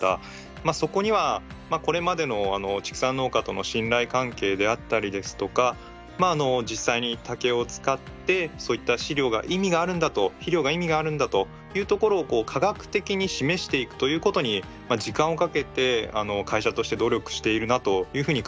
そこにはこれまでの畜産農家との信頼関係であったりですとか実際に竹を使ってそういった飼料が意味があるんだと肥料が意味があるんだというところを科学的に示していくということに時間をかけて会社として努力しているなというふうに感じました。